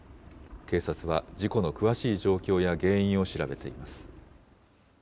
警察は事故の詳しい状況や原因を調べています。